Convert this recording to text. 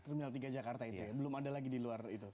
terminal tiga jakarta itu ya belum ada lagi di luar itu